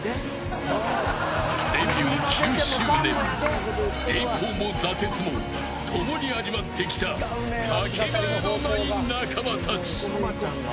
デビュー９周年栄光も挫折も共に味わってきたかけがえのない仲間たち。